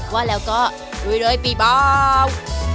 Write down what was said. ว่าแล้วก็ด้วยด้วยปีบ้าว